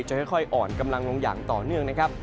ค่อยอ่อนกำลังลงอย่างต่อเนื่องนะครับ